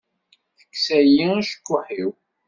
Teksa-yi acekkuḥ-iw.